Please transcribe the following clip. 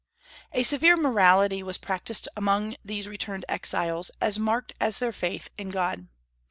A severe morality was practised among these returned exiles, as marked as their faith in God.